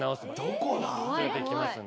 どこだ？